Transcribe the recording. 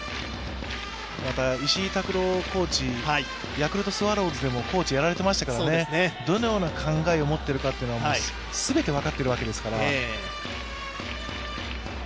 石井琢朗コーチ、ヤクルトスワローズでもコーチをやられていましたから、どのような考えを持っているか全て分かっているわけですから。